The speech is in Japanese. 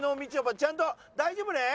ちゃんと大丈夫ね？